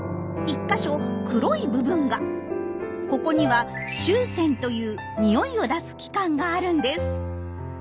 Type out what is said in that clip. ここには「臭腺」というにおいを出す器官があるんです。